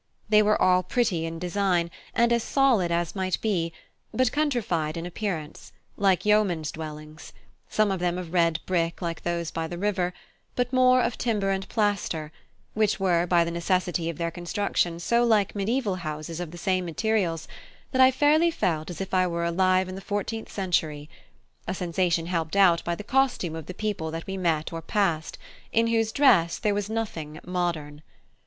They were all pretty in design, and as solid as might be, but countryfied in appearance, like yeomen's dwellings; some of them of red brick like those by the river, but more of timber and plaster, which were by the necessity of their construction so like mediaeval houses of the same materials that I fairly felt as if I were alive in the fourteenth century; a sensation helped out by the costume of the people that we met or passed, in whose dress there was nothing "modern."